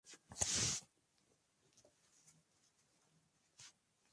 Más tarde fue usado con imágenes biológicas.